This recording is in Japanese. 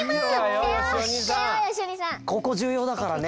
ここじゅうようだからね